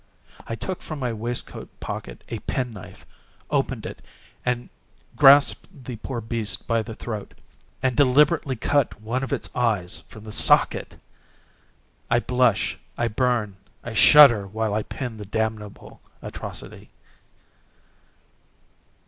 I took from my waistcoat pocket a pen knife, opened it, grasped the poor beast by the throat, and deliberately cut one of its eyes from the socket! I blush, I burn, I shudder, while I pen the damnable atrocity.